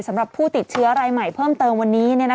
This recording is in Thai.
สำหรับผู้ติดเชื้อรายใหม่เพิ่มเติมวันนี้